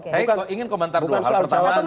saya ingin komentar dua hal pertama